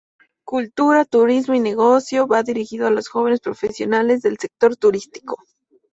Cultura, Turismo y Negocio" va dirigido a los jóvenes profesionales del sector Turístico.